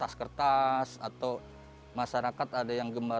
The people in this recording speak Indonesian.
akan menjadi akses dana